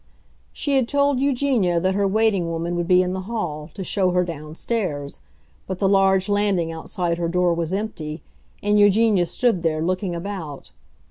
She had told Eugenia that her waiting woman would be in the hall, to show her downstairs; but the large landing outside her door was empty, and Eugenia stood there looking about.